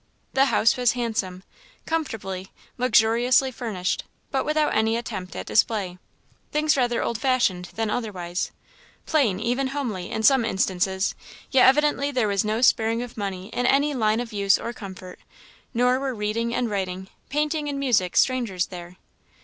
The house was handsome, comfortably, luxuriously furnished, but without any attempt at display. Things rather old fashioned than otherwise; plain, even homely, in some instances; yet evidently there was no sparing of money in any line of use or comfort; nor were reading and writing, painting and music, strangers there.